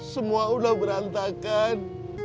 semua udah berantakan